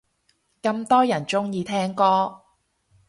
咁多人鍾意聽歌